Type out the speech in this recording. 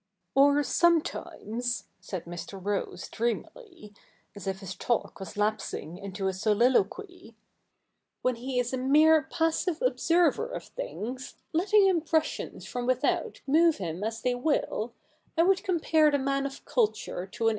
Or sometimes,' said Mr. Rose dreamily, as if his talk was lapsing into a soliloquy, ' when he is a mere passive observer of things, letting impressions from without move him as they will, I would compare the man of culture to an